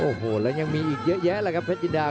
โอ้โหแล้วยังมีอีกเยอะแยะเลยครับเพชรอินดา